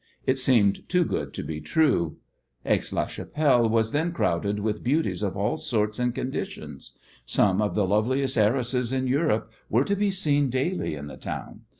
It seemed too good to be true. Aix la Chapelle was then crowded with beauties of all sorts and conditions. Some of the loveliest heiresses in Europe were to be seen daily in the town.